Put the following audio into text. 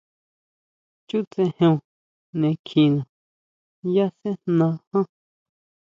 Chútsejeon ne kjiná ʼya sejná ján.